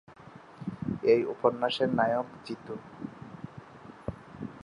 এই উপন্যাসের নায়ক জিতু।